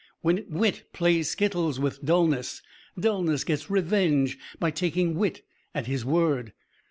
When wit plays skittles with dulness, dulness gets revenge by taking wit at his word.